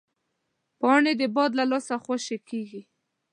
پاڼې د باد له لاسه خوشې کېږي